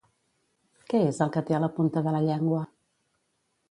Què és el que té a la punta de la llengua?